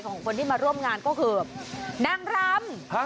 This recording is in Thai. ของคนที่มาร่วมงานก็คือนางรำ